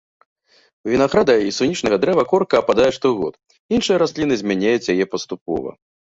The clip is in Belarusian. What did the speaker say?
У вінаграда і сунічнага дрэва корка ападае штогод, іншыя расліны змяняюць яе паступова.